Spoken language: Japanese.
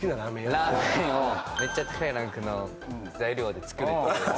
ラーメンをめっちゃ高いランクの材料で作るという。